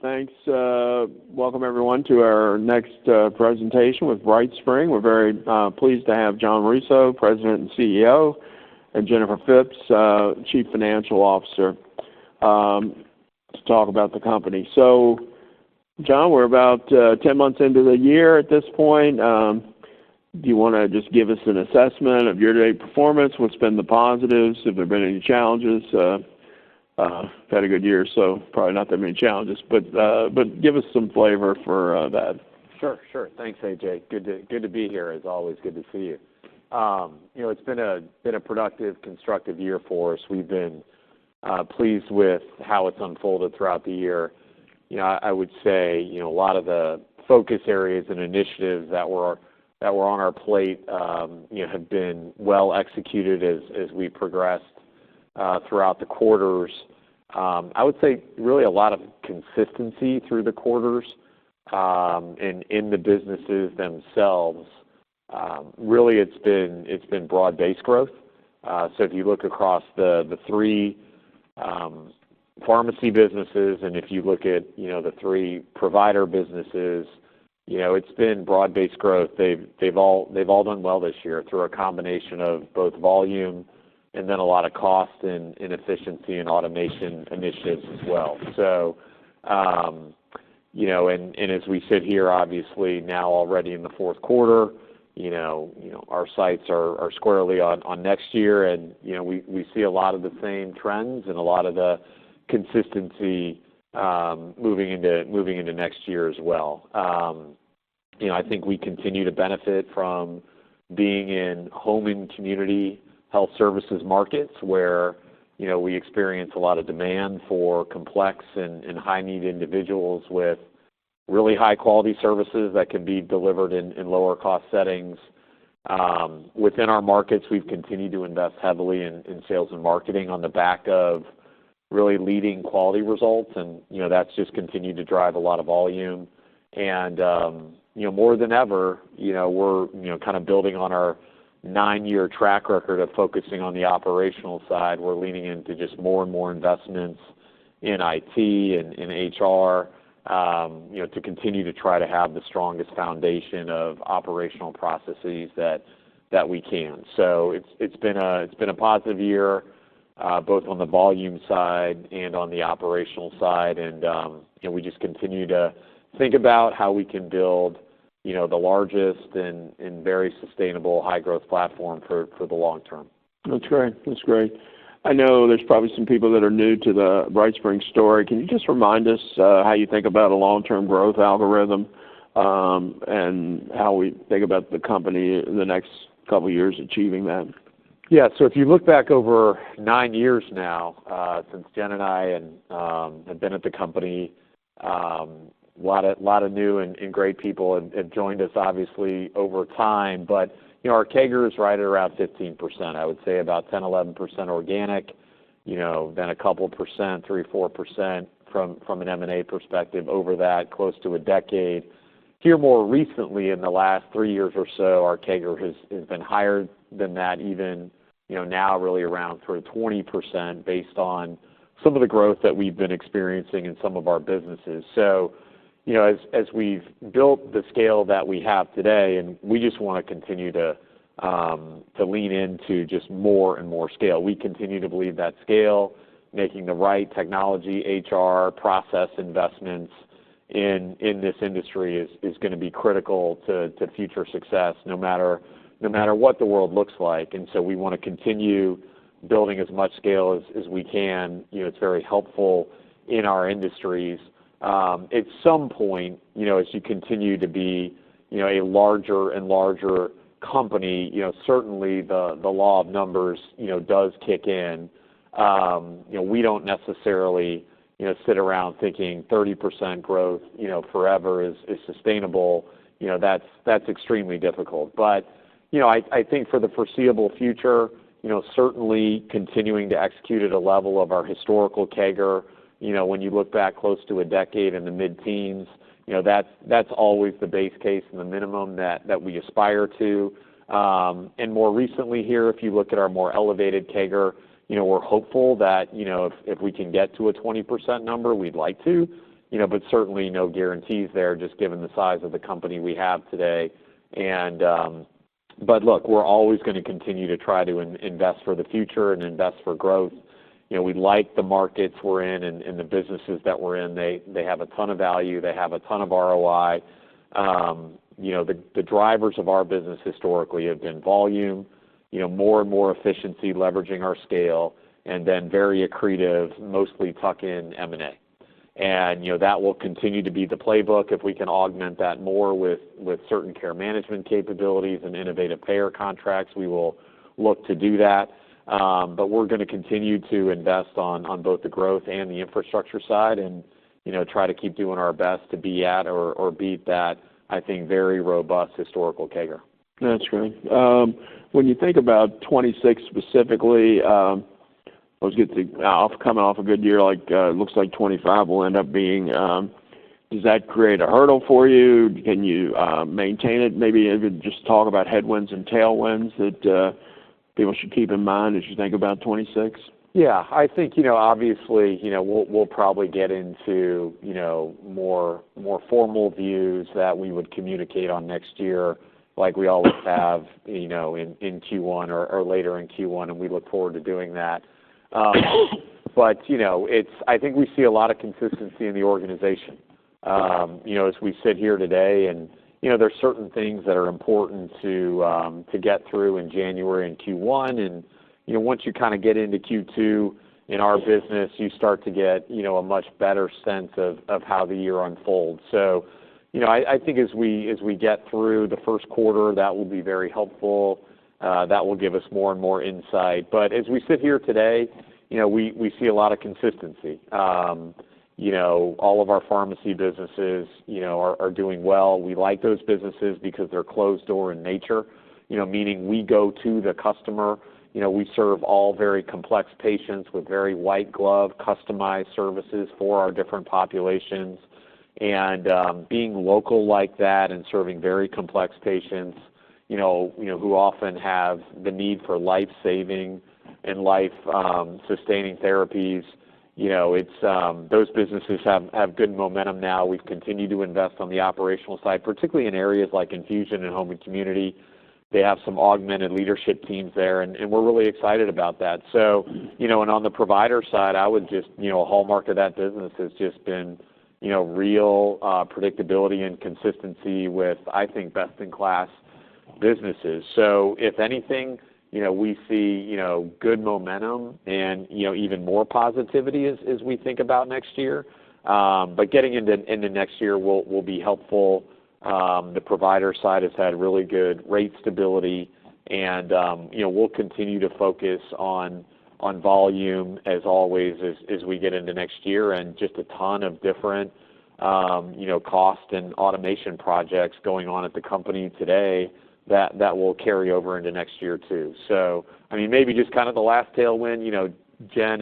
Thanks. Welcome, everyone, to our next presentation with BrightSpring. We're very pleased to have Jon Rousseau, President and CEO, and Jennifer Phipps, Chief Financial Officer, to talk about the company. Jon, we're about 10 months into the year at this point. Do you want to just give us an assessment of your day's performance? What's been the positives? Have there been any challenges? We've had a good year, so probably not that many challenges, but give us some flavor for that. Sure, sure. Thanks, AJ. Good to be here, as always. Good to see you. It's been a productive, constructive year for us. We've been pleased with how it's unfolded throughout the year. I would say a lot of the focus areas and initiatives that were on our plate have been well executed as we progressed throughout the quarters. I would say really a lot of consistency through the quarters and in the businesses themselves. Really, it's been broad-based growth. If you look across the three pharmacy businesses and if you look at the three provider businesses, it's been broad-based growth. They've all done well this year through a combination of both volume and then a lot of cost and efficiency and automation initiatives as well. As we sit here, obviously, now already in the fourth quarter, our sights are squarely on next year, and we see a lot of the same trends and a lot of the consistency moving into next year as well. I think we continue to benefit from being in home and community health services markets where we experience a lot of demand for complex and high-need individuals with really high-quality services that can be delivered in lower-cost settings. Within our markets, we've continued to invest heavily in sales and marketing on the back of really leading quality results, and that's just continued to drive a lot of volume. More than ever, we're kind of building on our nine-year track record of focusing on the operational side. We're leaning into just more and more investments in IT and HR to continue to try to have the strongest foundation of operational processes that we can. It has been a positive year both on the volume side and on the operational side, and we just continue to think about how we can build the largest and very sustainable high-growth platform for the long term. That's great. That's great. I know there's probably some people that are new to the BrightSpring story. Can you just remind us how you think about a long-term growth algorithm and how we think about the company in the next couple of years achieving that? Yeah. If you look back over nine years now since Jen and I have been at the company, a lot of new and great people have joined us, obviously, over time. Our CAGR is right at around 15%. I would say about 10%, 11% organic, then a couple percent, 3%, 4% from an M&A perspective over that, close to a decade. Here, more recently, in the last three years or so, our CAGR has been higher than that, even now really around 20% based on some of the growth that we've been experiencing in some of our businesses. As we've built the scale that we have today, we just want to continue to lean into just more and more scale. We continue to believe that scale, making the right technology, HR, process investments in this industry is going to be critical to future success no matter what the world looks like. We want to continue building as much scale as we can. It's very helpful in our industries. At some point, as you continue to be a larger and larger company, certainly the law of numbers does kick in. We do not necessarily sit around thinking 30% growth forever is sustainable. That's extremely difficult. I think for the foreseeable future, certainly continuing to execute at a level of our historical CAGR, when you look back close to a decade in the mid-teens, that's always the base case and the minimum that we aspire to. More recently here, if you look at our more elevated CAGR, we're hopeful that if we can get to a 20% number, we'd like to, but certainly no guarantees there just given the size of the company we have today. Look, we're always going to continue to try to invest for the future and invest for growth. We like the markets we're in and the businesses that we're in. They have a ton of value. They have a ton of ROI. The drivers of our business historically have been volume, more and more efficiency leveraging our scale, and then very accretive, mostly tuck-in M&A. That will continue to be the playbook. If we can augment that more with certain care management capabilities and innovative payer contracts, we will look to do that. We're going to continue to invest on both the growth and the infrastructure side and try to keep doing our best to be at or beat that, I think, very robust historical CAGR. That's great. When you think about 2026 specifically, I was coming off a good year. It looks like 2025 will end up being—does that create a hurdle for you? Can you maintain it? Maybe even just talk about headwinds and tailwinds that people should keep in mind as you think about 2026? Yeah. I think, obviously, we'll probably get into more formal views that we would communicate on next year like we always have in Q1 or later in Q1, and we look forward to doing that. I think we see a lot of consistency in the organization. As we sit here today, there are certain things that are important to get through in January and Q1. Once you kind of get into Q2 in our business, you start to get a much better sense of how the year unfolds. I think as we get through the first quarter, that will be very helpful. That will give us more and more insight. As we sit here today, we see a lot of consistency. All of our pharmacy businesses are doing well. We like those businesses because they're closed-door in nature, meaning we go to the customer. We serve all very complex patients with very white-glove, customized services for our different populations. Being local like that and serving very complex patients who often have the need for life-saving and life-sustaining therapies, those businesses have good momentum now. We've continued to invest on the operational side, particularly in areas like infusion and home and community. They have some augmented leadership teams there, and we're really excited about that. On the provider side, I would just—a hallmark of that business has just been real predictability and consistency with, I think, best-in-class businesses. If anything, we see good momentum and even more positivity as we think about next year. Getting into next year will be helpful. The provider side has had really good rate stability, and we'll continue to focus on volume as always as we get into next year. Just a ton of different cost and automation projects going on at the company today that will carry over into next year too. I mean, maybe just kind of the last tailwind, Jen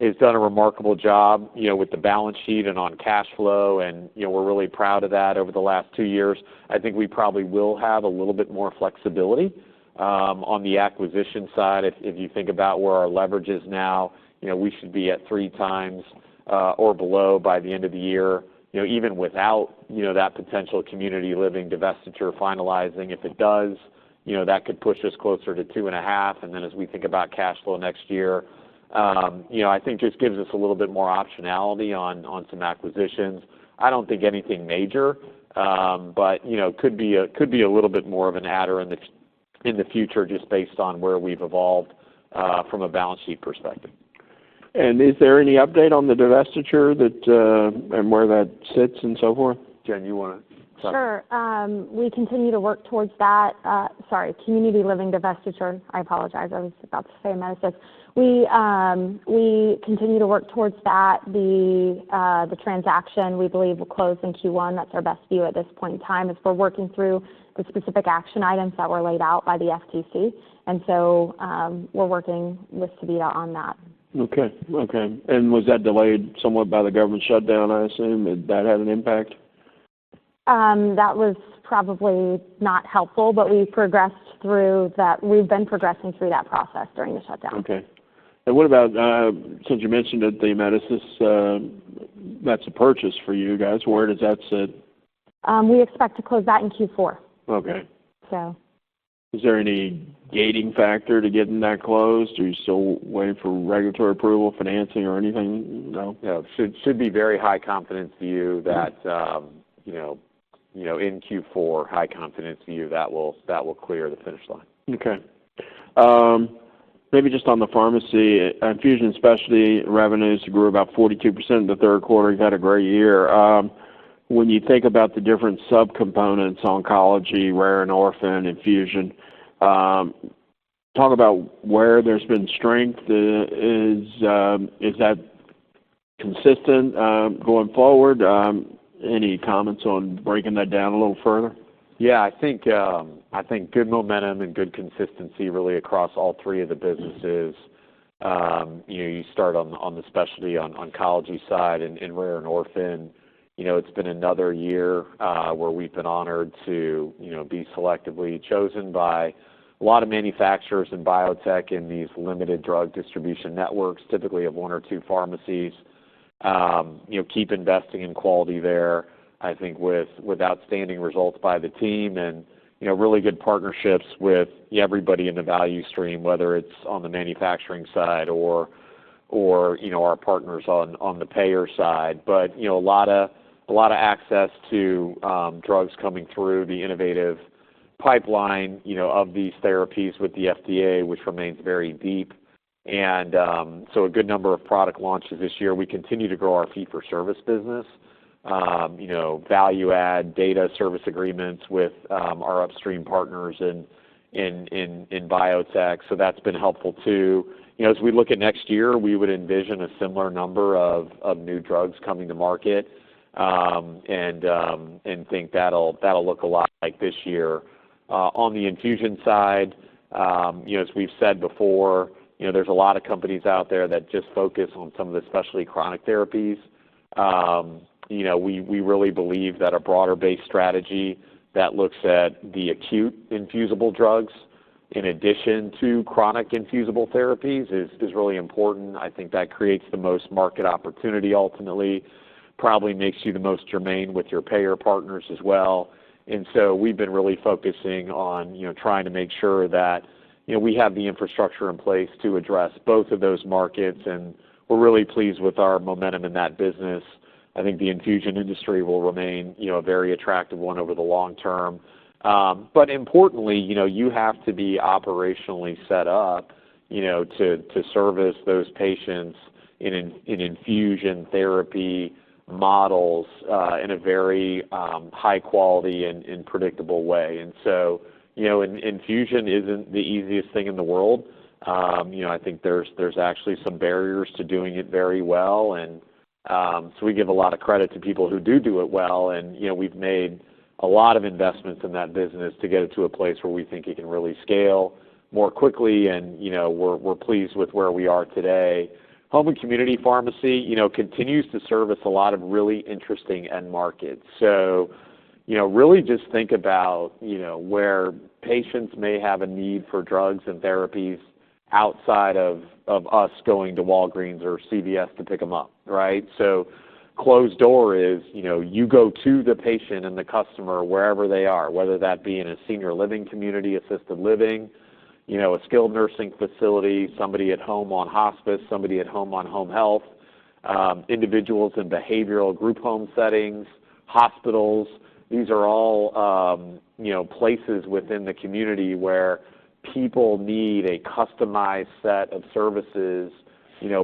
has done a remarkable job with the balance sheet and on cash flow, and we're really proud of that over the last two years. I think we probably will have a little bit more flexibility on the acquisition side. If you think about where our leverage is now, we should be at three times or below by the end of the year, even without that potential community living divestiture finalizing. If it does, that could push us closer to two and a half. As we think about cash flow next year, I think just gives us a little bit more optionality on some acquisitions. I don't think anything major, but could be a little bit more of an adder in the future just based on where we've evolved from a balance sheet perspective. Is there any update on the divestiture and where that sits and so forth? Jen, you want to talk? Sure. We continue to work towards that. Sorry. Community Living divestiture. I apologize. I was about to say medicine. We continue to work towards that. The transaction, we believe, will close in Q1. That's our best view at this point in time as we're working through the specific action items that were laid out by the FTC. We are working with Sevita on that. Okay. Okay. Was that delayed somewhat by the government shutdown, I assume? Did that have an impact? That was probably not helpful, but we've progressed through that. We've been progressing through that process during the shutdown. Okay. What about, since you mentioned that the Amedisys, that's a purchase for you guys, where does that sit? We expect to close that in Q4. Okay. Is there any gating factor to getting that closed? Are you still waiting for regulatory approval, financing, or anything? No? Yeah. Should be very high confidence view that in Q4, high confidence view that will clear the finish line. Okay. Maybe just on the pharmacy, infusion specialty revenues grew about 42% in the third quarter. You've had a great year. When you think about the different subcomponents, Oncology, Rare and Orphan, Infusion, talk about where there's been strength. Is that consistent going forward? Any comments on breaking that down a little further? Yeah. I think good momentum and good consistency really across all three of the businesses. You start on the specialty Oncology side and Rare and Orphan. It's been another year where we've been honored to be selectively chosen by a lot of manufacturers and biotech in these limited drug distribution networks, typically of one or two pharmacies. Keep investing in quality there, I think, with outstanding results by the team and really good partnerships with everybody in the value stream, whether it's on the manufacturing side or our partners on the payer side. A lot of access to drugs coming through the innovative pipeline of these therapies with the FDA, which remains very deep. A good number of product launches this year. We continue to grow our fee-for-service business, value-add data service agreements with our upstream partners in biotech. That's been helpful too. As we look at next year, we would envision a similar number of new drugs coming to market and think that'll look a lot like this year. On the infusion side, as we've said before, there's a lot of companies out there that just focus on some of the specialty chronic therapies. We really believe that a broader-based strategy that looks at the acute infusible drugs in addition to chronic infusible therapies is really important. I think that creates the most market opportunity ultimately, probably makes you the most germane with your payer partners as well. We have been really focusing on trying to make sure that we have the infrastructure in place to address both of those markets. We are really pleased with our momentum in that business. I think the infusion industry will remain a very attractive one over the long term. Importantly, you have to be operationally set up to service those patients in infusion therapy models in a very high-quality and predictable way. Infusion is not the easiest thing in the world. I think there are actually some barriers to doing it very well. We give a lot of credit to people who do it well. We have made a lot of investments in that business to get it to a place where we think it can really scale more quickly. We are pleased with where we are today. Home and community pharmacy continues to service a lot of really interesting end markets. Really just think about where patients may have a need for drugs and therapies outside of us going to Walgreens or CVS to pick them up, right? Closed door is you go to the patient and the customer wherever they are, whether that be in a senior living community, assisted living, a skilled nursing facility, somebody at home on hospice, somebody at home on home health, individuals in behavioral group home settings, hospitals. These are all places within the community where people need a customized set of services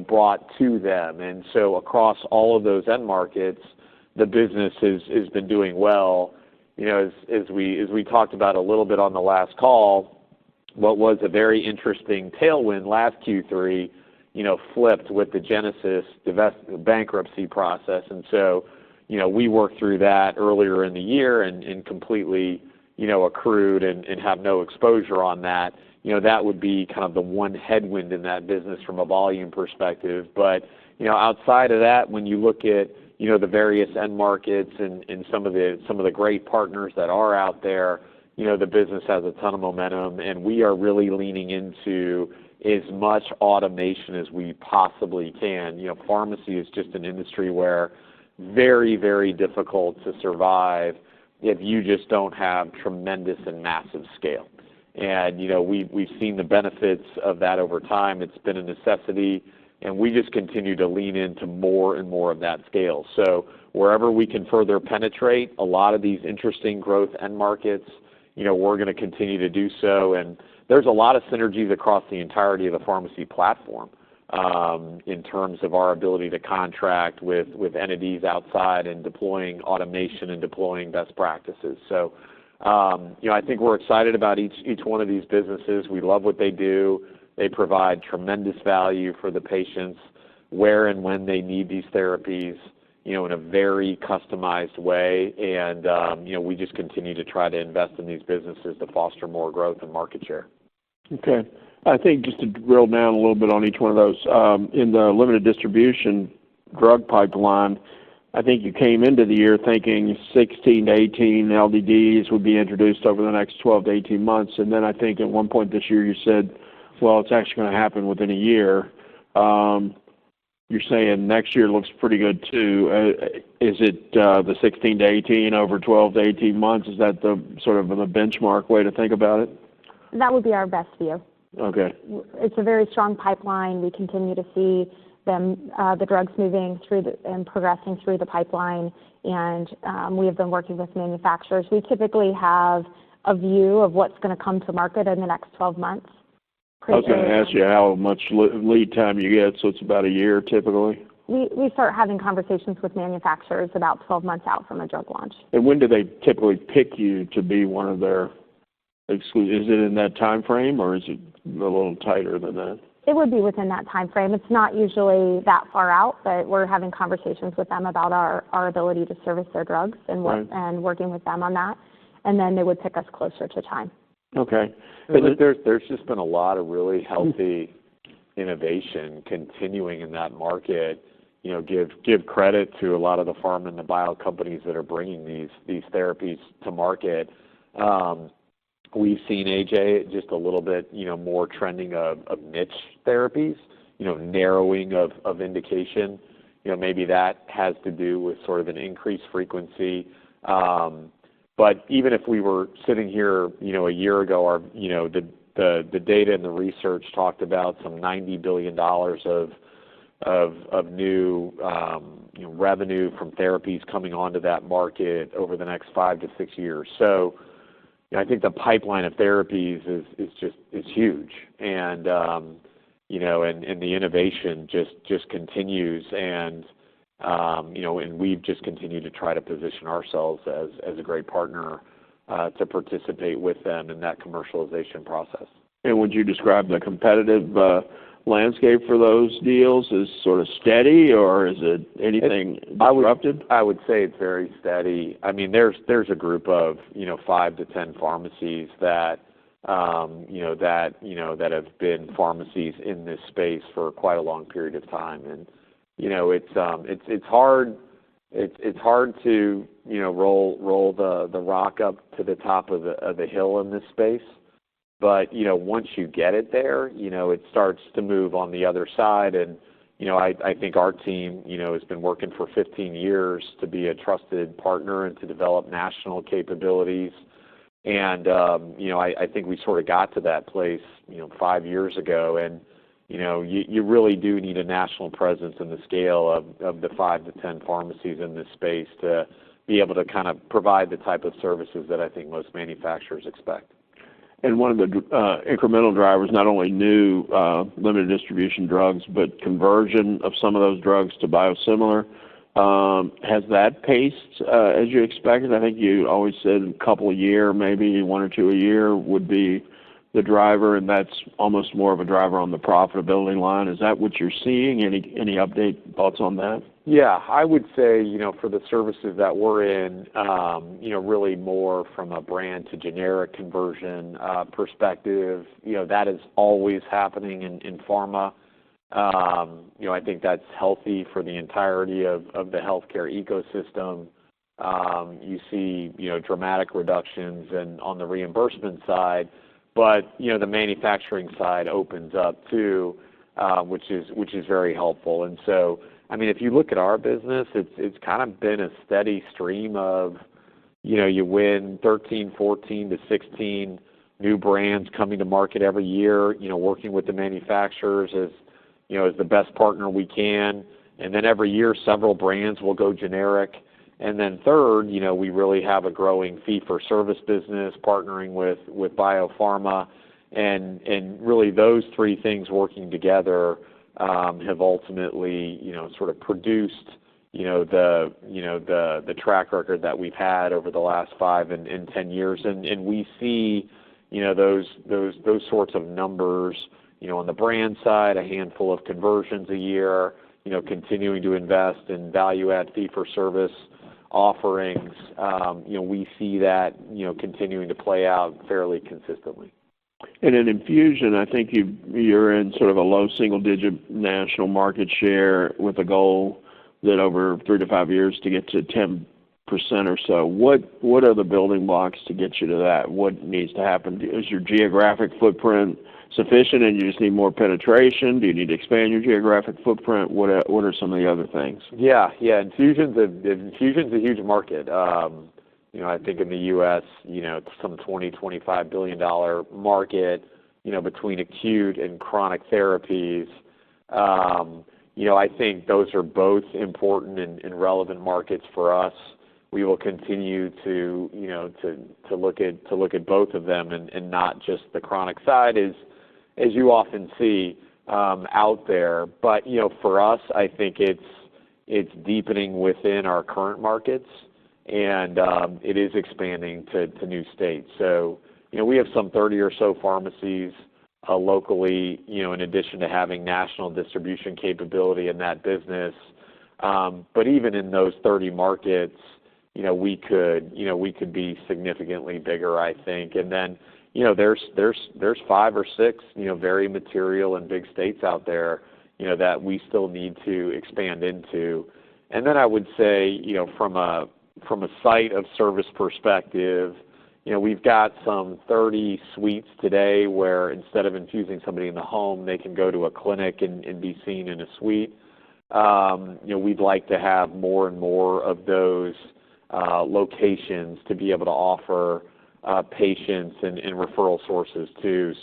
brought to them. Across all of those end markets, the business has been doing well. As we talked about a little bit on the last call, what was a very interesting tailwind last Q3 flipped with the Genesis HealthCare bankruptcy process. We worked through that earlier in the year and completely accrued and have no exposure on that. That would be kind of the one headwind in that business from a volume perspective. Outside of that, when you look at the various end markets and some of the great partners that are out there, the business has a ton of momentum. We are really leaning into as much automation as we possibly can. Pharmacy is just an industry where it is very, very difficult to survive if you just do not have tremendous and massive scale. We have seen the benefits of that over time. It has been a necessity. We just continue to lean into more and more of that scale. Wherever we can further penetrate a lot of these interesting growth end markets, we are going to continue to do so. There are a lot of synergies across the entirety of the pharmacy platform in terms of our ability to contract with entities outside and deploying automation and deploying best practices. I think we are excited about each one of these businesses. We love what they do. They provide tremendous value for the patients where and when they need these therapies in a very customized way. We just continue to try to invest in these businesses to foster more growth and market share. Okay. I think just to drill down a little bit on each one of those. In the limited distribution drug pipeline, I think you came into the year thinking 16 LDDs, 18 LDDs would be introduced over the next 12 months, 18 months. I think at one point this year you said, "Well, it's actually going to happen within a year." You're saying next year looks pretty good too. Is it the 16 LDDs, 18LDDs over 12 months, 18 months? Is that sort of the benchmark way to think about it? That would be our best view. Okay. It's a very strong pipeline. We continue to see the drugs moving through and progressing through the pipeline. We have been working with manufacturers. We typically have a view of what's going to come to market in the next 12 months. I was going to ask you how much lead time you get. So it's about a year, typically? We start having conversations with manufacturers about 12 months out from a drug launch. When do they typically pick you to be one of their exclusions? Is it in that time frame, or is it a little tighter than that? It would be within that time frame. It's not usually that far out, but we're having conversations with them about our ability to service their drugs and working with them on that. They would pick us closer to time. Okay. There has just been a lot of really healthy innovation continuing in that market. Give credit to a lot of the pharma and the bio companies that are bringing these therapies to market. We have seen, AJ, just a little bit more trending of niche therapies, narrowing of indication. Maybe that has to do with sort of an increased frequency. Even if we were sitting here a year ago, the data and the research talked about some $90 billion of new revenue from therapies coming onto that market over the next five to six years. I think the pipeline of therapies is huge. The innovation just continues. We have just continued to try to position ourselves as a great partner to participate with them in that commercialization process. Would you describe the competitive landscape for those deals? Is it sort of steady, or is it anything disruptive? I would say it's very steady. I mean, there's a group of five to 10 pharmacies that have been pharmacies in this space for quite a long period of time. It's hard to roll the rock up to the top of the hill in this space. Once you get it there, it starts to move on the other side. I think our team has been working for 15 years to be a trusted partner and to develop national capabilities. I think we sort of got to that place five years ago. You really do need a national presence in the scale of the five to 10 pharmacies in this space to be able to kind of provide the type of services that I think most manufacturers expect. One of the incremental drivers, not only new limited distribution drugs, but conversion of some of those drugs to biosimilar. Has that paced as you expected? I think you always said a couple a year, maybe one or two a year would be the driver. That is almost more of a driver on the profitability line. Is that what you're seeing? Any update, thoughts on that? Yeah. I would say for the services that we're in, really more from a brand to generic conversion perspective, that is always happening in pharma. I think that's healthy for the entirety of the healthcare ecosystem. You see dramatic reductions on the reimbursement side. The manufacturing side opens up too, which is very helpful. I mean, if you look at our business, it's kind of been a steady stream of you win 13, 14, to 16 new brands coming to market every year, working with the manufacturers as the best partner we can. Every year, several brands will go generic. Third, we really have a growing fee-for-service business partnering with biopharma. Really, those three things working together have ultimately sort of produced the track record that we've had over the last five and 10 years. We see those sorts of numbers on the brand side, a handful of conversions a year, continuing to invest in value-add fee-for-service offerings. We see that continuing to play out fairly consistently. In infusion, I think you're in sort of a low single-digit national market share with a goal that over three to five years to get to 10% or so. What are the building blocks to get you to that? What needs to happen? Is your geographic footprint sufficient, and you just need more penetration? Do you need to expand your geographic footprint? What are some of the other things? Yeah. Yeah. Infusion's a huge market. I think in the U.S., some $20 billion-$25 billion market between acute and chronic therapies. I think those are both important and relevant markets for us. We will continue to look at both of them and not just the chronic side, as you often see out there. For us, I think it's deepening within our current markets, and it is expanding to new states. We have some 30 or so pharmacies locally in addition to having national distribution capability in that business. Even in those 30 markets, we could be significantly bigger, I think. There are five or six very material and big states out there that we still need to expand into. I would say from a site of service perspective, we've got some 30 suites today where instead of infusing somebody in the home, they can go to a clinic and be seen in a suite. We'd like to have more and more of those locations to be able to offer patients and referral sources too.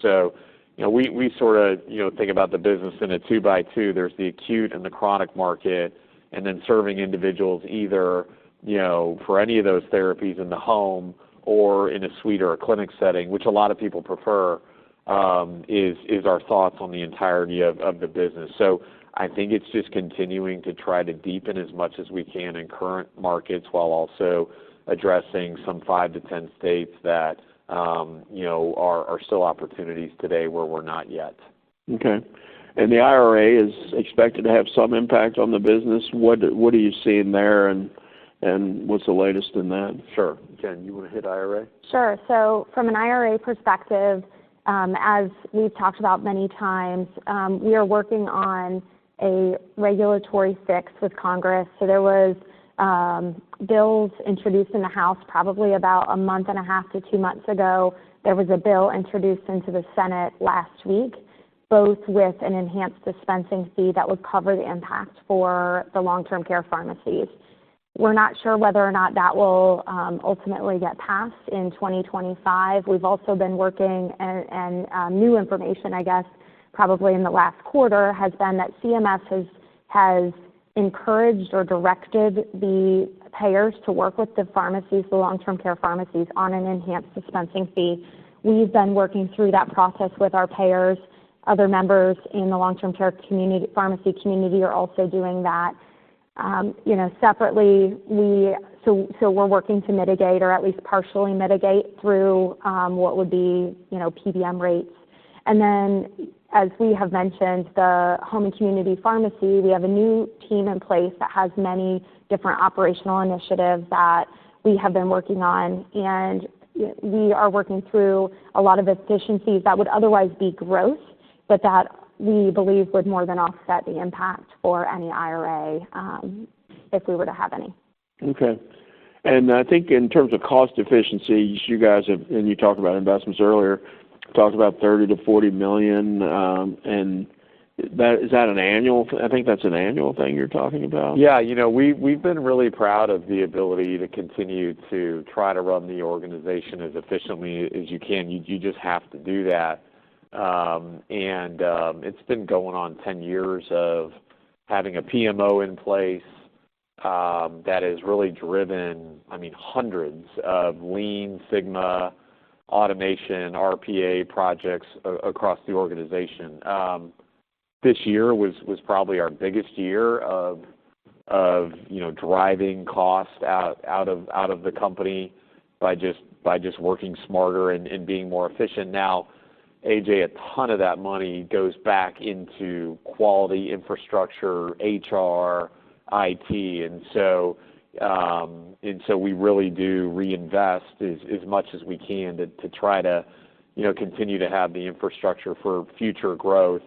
We sort of think about the business in a two-by-two. There's the acute and the chronic market, and then serving individuals either for any of those therapies in the home or in a suite or a clinic setting, which a lot of people prefer, is our thoughts on the entirety of the business. I think it's just continuing to try to deepen as much as we can in current markets while also addressing some five to 10 states that are still opportunities today where we're not yet. Okay. The IRA is expected to have some impact on the business. What are you seeing there, and what's the latest in that? Sure. Jen, you want to hit IRA? Sure. From an IRA perspective, as we've talked about many times, we are working on a regulatory fix with Congress. There were bills introduced in the House probably about a month and a half to two months ago. There was a bill introduced into the Senate last week, both with an enhanced dispensing fee that would cover the impact for the long-term care pharmacies. We're not sure whether or not that will ultimately get passed in 2025. We've also been working, and new information, I guess, probably in the last quarter has been that CMS has encouraged or directed the payers to work with the pharmacies, the long-term care pharmacies, on an enhanced dispensing fee. We've been working through that process with our payers. Other members in the long-term care pharmacy community are also doing that. Separately, we are working to mitigate or at least partially mitigate through what would be PBM rates. As we have mentioned, the home and community pharmacy, we have a new team in place that has many different operational initiatives that we have been working on. We are working through a lot of efficiencies that would otherwise be gross, but that we believe would more than offset the impact for any IRA if we were to have any. Okay. I think in terms of cost efficiency, you guys have—and you talked about investments earlier—talked about $30 million-$40 million. Is that an annual—I think that's an annual thing you're talking about? Yeah. We've been really proud of the ability to continue to try to run the organization as efficiently as you can. You just have to do that. It's been going on 10 years of having a PMO in place that has really driven, I mean, hundreds of Lean Sigma automation RPA projects across the organization. This year was probably our biggest year of driving cost out of the company by just working smarter and being more efficient. Now, AJ, a ton of that money goes back into quality infrastructure, HR, IT. We really do reinvest as much as we can to try to continue to have the infrastructure for future growth.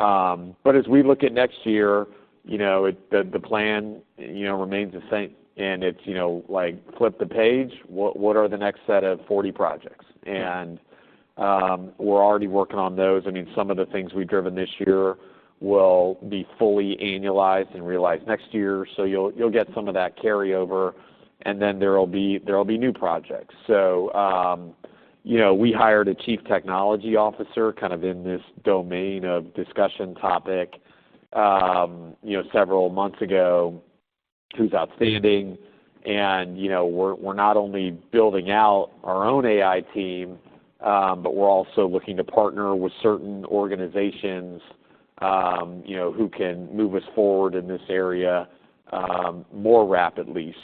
As we look at next year, the plan remains the same. It's like, "Flip the page. What are the next set of 40 projects?" We're already working on those. I mean, some of the things we've driven this year will be fully annualized and realized next year. You'll get some of that carryover. There will be new projects. We hired a Chief Technology Officer kind of in this domain of discussion topic several months ago who's outstanding. We're not only building out our own AI team, but we're also looking to partner with certain organizations who can move us forward in this area more rapidly.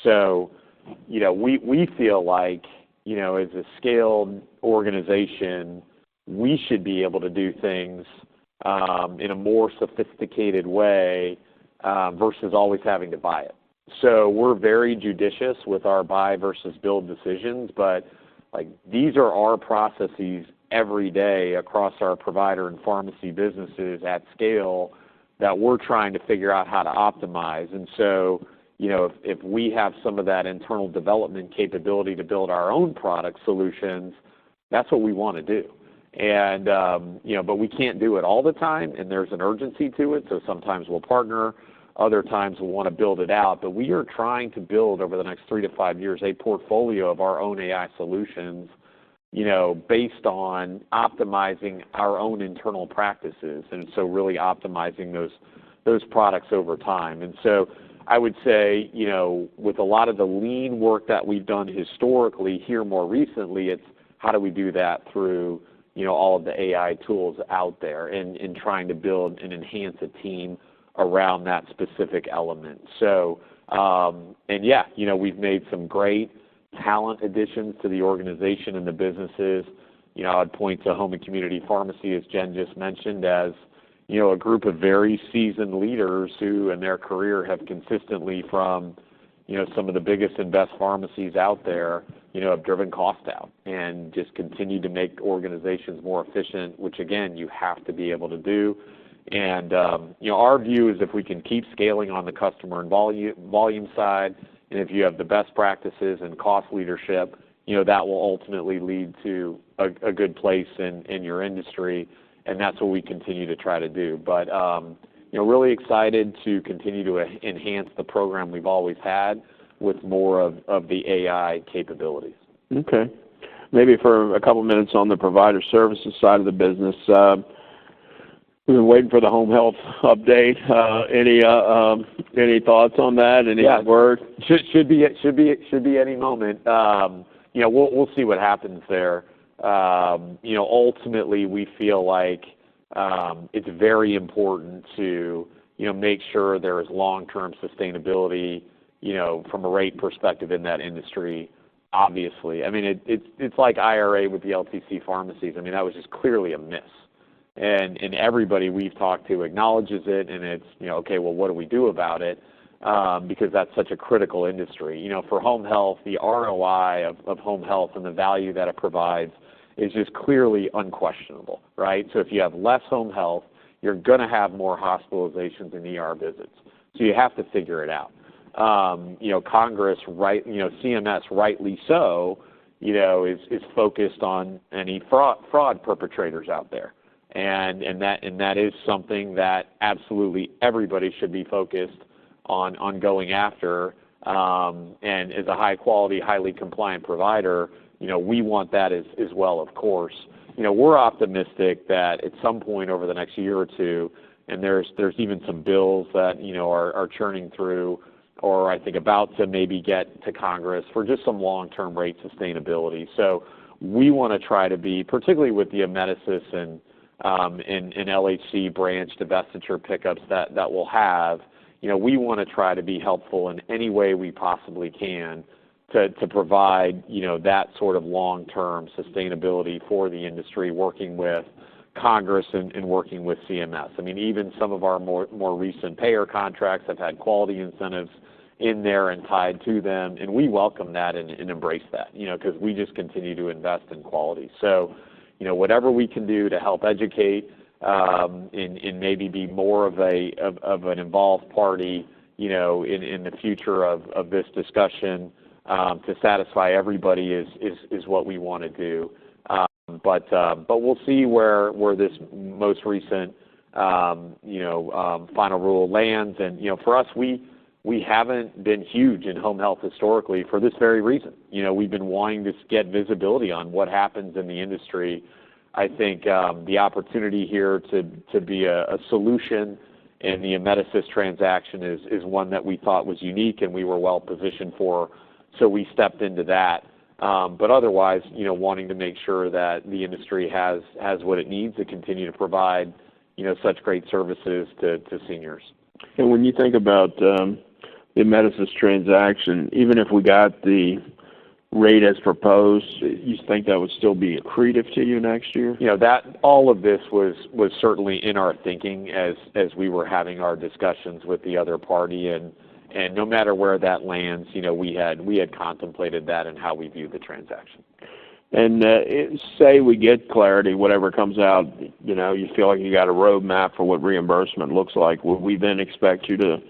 We feel like, as a scaled organization, we should be able to do things in a more sophisticated way versus always having to buy it. We're very judicious with our buy versus build decisions. These are our processes every day across our provider and pharmacy businesses at scale that we're trying to figure out how to optimize. If we have some of that internal development capability to build our own product solutions, that's what we want to do. We can't do it all the time, and there's an urgency to it. Sometimes we'll partner. Other times, we'll want to build it out. We are trying to build, over the next three to five years, a portfolio of our own AI solutions based on optimizing our own internal practices and really optimizing those products over time. I would say, with a lot of the lean work that we've done historically here more recently, it's how do we do that through all of the AI tools out there and trying to build and enhance a team around that specific element. Yeah, we've made some great talent additions to the organization and the businesses. I'd point to home and community pharmacy, as Jen just mentioned, as a group of very seasoned leaders who, in their career, have consistently, from some of the biggest and best pharmacies out there, have driven cost out and just continued to make organizations more efficient, which, again, you have to be able to do. Our view is if we can keep scaling on the customer and volume side, and if you have the best practices and cost leadership, that will ultimately lead to a good place in your industry. That's what we continue to try to do. Really excited to continue to enhance the program we've always had with more of the AI capabilities. Okay. Maybe for a couple of minutes on the provider services side of the business, we've been waiting for the Home Health update. Any thoughts on that? Any word? Yeah. Should be any moment. We'll see what happens there. Ultimately, we feel like it's very important to make sure there is long-term sustainability from a rate perspective in that industry, obviously. I mean, it's like IRA with the LTC pharmacies. I mean, that was just clearly a miss. And everybody we've talked to acknowledges it, and it's, "Okay, what do we do about it?" Because that's such a critical industry. For Home Health, the ROI of Home Health and the value that it provides is just clearly unquestionable, right? If you have less home health, you're going to have more hospitalizations and visits. You have to figure it out. Congress, CMS, rightly so, is focused on any fraud perpetrators out there. That is something that absolutely everybody should be focused on going after. As a high-quality, highly compliant provider, we want that as well, of course. We're optimistic that at some point over the next year or two, and there are even some bills that are churning through or I think about to maybe get to Congress for just some long-term rate sustainability. We want to try to be, particularly with the Amedisys and LHC branch divestiture pickups that we'll have, we want to try to be helpful in any way we possibly can to provide that sort of long-term sustainability for the industry working with Congress and working with CMS. I mean, even some of our more recent payer contracts have had quality incentives in there and tied to them. We welcome that and embrace that because we just continue to invest in quality. Whatever we can do to help educate and maybe be more of an involved party in the future of this discussion to satisfy everybody is what we want to do. We will see where this most recent final rule lands. For us, we have not been huge in home health historically for this very reason. We have been wanting to get visibility on what happens in the industry. I think the opportunity here to be a solution in the Amedisys transaction is one that we thought was unique and we were well positioned for. We stepped into that. Otherwise, wanting to make sure that the industry has what it needs to continue to provide such great services to seniors. When you think about the Amedisys transaction, even if we got the rate as proposed, you think that would still be accretive to you next year? All of this was certainly in our thinking as we were having our discussions with the other party. No matter where that lands, we had contemplated that and how we viewed the transaction. Say we get clarity, whatever comes out, you feel like you got a roadmap for what reimbursement looks like. Would we then expect you to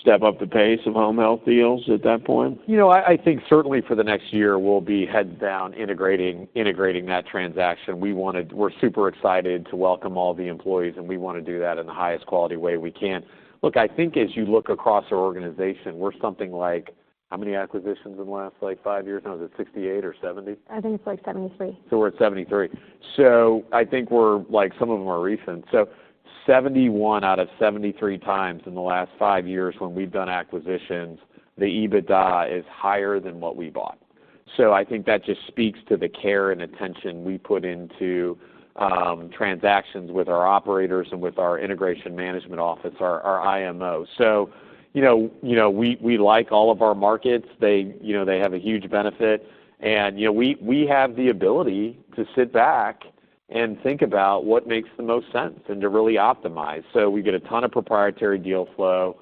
step up the pace of Home Health deals at that point? I think certainly for the next year, we'll be heading down integrating that transaction. We're super excited to welcome all the employees, and we want to do that in the highest quality way we can. Look, I think as you look across our organization, we're something like how many acquisitions in the last five years? And I was at 68 acquisitions or 70 acquisitions? I think it's like 73. We're at 73. I think some of them are recent. 71 out of 73x in the last five years when we've done acquisitions, the EBITDA is higher than what we bought. I think that just speaks to the care and attention we put into transactions with our operators and with our Integration Management Office, our IMO. We like all of our markets. They have a huge benefit. We have the ability to sit back and think about what makes the most sense and to really optimize. We get a ton of proprietary deal flow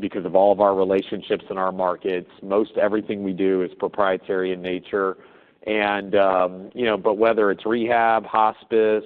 because of all of our relationships in our markets. Most everything we do is proprietary in nature. Whether it's Rehab, Hospice,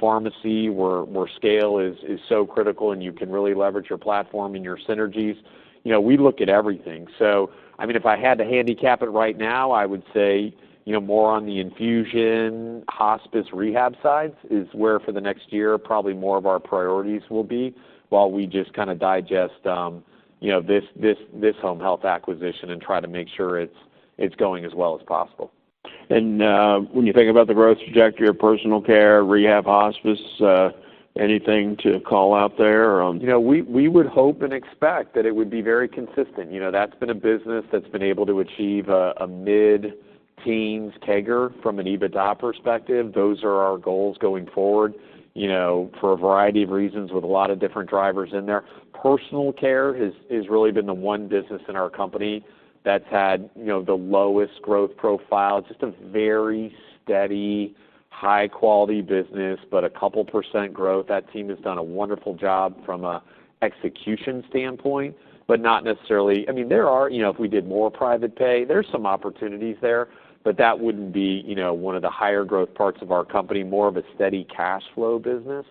Pharmacy, where scale is so critical and you can really leverage your platform and your synergies, we look at everything. I mean, if I had to handicap it right now, I would say more on the Infusion, Hospice, Rehab sides is where for the next year, probably more of our priorities will be while we just kind of digest this Home Health acquisition and try to make sure it's going as well as possible. When you think about the growth trajectory of Personal Care, Rehab, Hospice, anything to call out there? We would hope and expect that it would be very consistent. That's been a business that's been able to achieve a mid-teens CAGR from an EBITDA perspective. Those are our goals going forward for a variety of reasons with a lot of different drivers in there. Personal Care has really been the one business in our company that's had the lowest growth profile. It's just a very steady, high-quality business, but a couple percent growth. That team has done a wonderful job from an execution standpoint, but not necessarily, I mean, there are, if we did more private pay, there's some opportunities there, but that wouldn't be one of the higher growth parts of our company, more of a steady cash flow business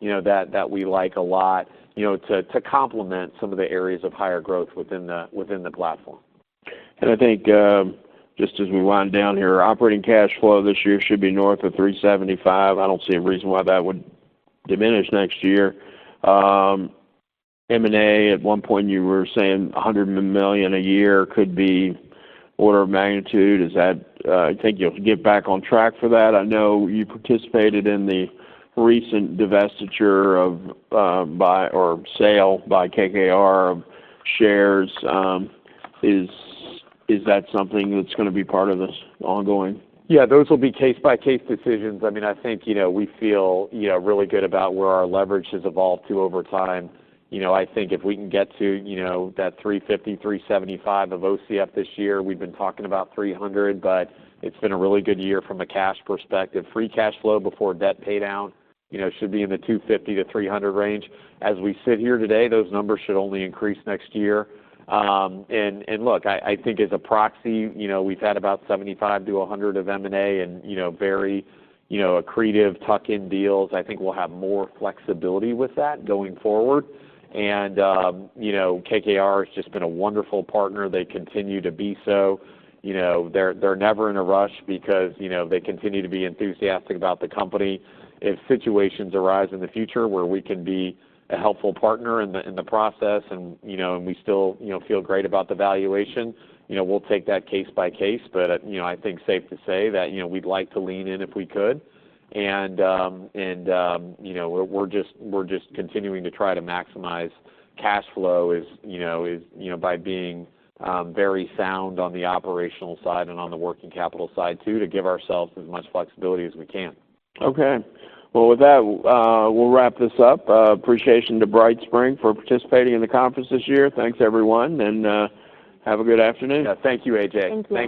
that we like a lot to complement some of the areas of higher growth within the platform. I think just as we wind down here, operating cash flow this year should be north of $375 million. I do not see a reason why that would diminish next year. M&A, at one point, you were saying $100 million a year could be order of magnitude. I think you will get back on track for that. I know you participated in the recent divestiture or sale by KKR of shares. Is that something that is going to be part of this ongoing? Yeah. Those will be case-by-case decisions. I mean, I think we feel really good about where our leverage has evolved to over time. I think if we can get to that $350 million-$375 million of OCF this year, we've been talking about $300 million, but it's been a really good year from a cash perspective. Free Cash Flow before debt paydown should be in the $250 million-$300 million range. As we sit here today, those numbers should only increase next year. I think as a proxy, we've had about $75 million-$100 million of M&A and very accretive tuck-in deals. I think we'll have more flexibility with that going forward. KKR has just been a wonderful partner. They continue to be so. They're never in a rush because they continue to be enthusiastic about the company. If situations arise in the future where we can be a helpful partner in the process and we still feel great about the valuation, we'll take that case by case. I think safe to say that we'd like to lean in if we could. We're just continuing to try to maximize cash flow by being very sound on the operational side and on the working capital side too to give ourselves as much flexibility as we can. Okay. With that, we'll wrap this up. Appreciation to BrightSpring for participating in the conference this year. Thanks, everyone, and have a good afternoon. Yeah. Thank you, AJ. Thank you.